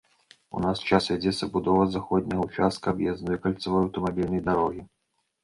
У наш час вядзецца будова заходняга ўчастка аб'язной кальцавой аўтамабільнай дарогі.